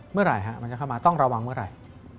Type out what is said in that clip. เมื่อไหร่มันจะเข้ามาต้องระวังเมื่อไหร่